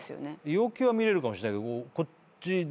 五百城は見られるかもしれないけどこっち。